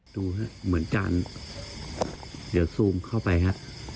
ดูฮะเหมือนการเดี๋ยวซูมเข้าไปฮะ